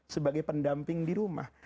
sebagai pendamping di rumah